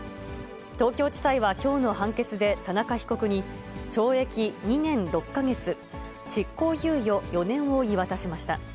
東京地裁はきょうの判決で田中被告に、懲役２年６か月、執行猶予４年を言い渡しました。